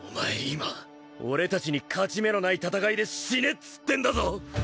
今俺達に勝ち目のない戦いで死ねっつってんだぞ！